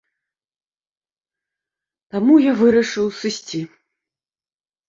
Таму я вырашыў сысці.